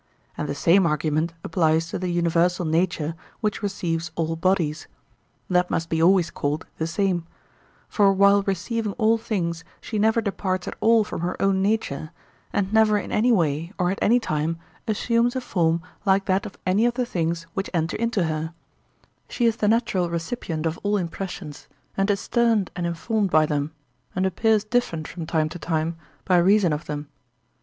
And the same argument applies to the universal nature which receives all bodies—that must be always called the same; for, while receiving all things, she never departs at all from her own nature, and never in any way, or at any time, assumes a form like that of any of the things which enter into her; she is the natural recipient of all impressions, and is stirred and informed by them, and appears different from time to time by reason of them.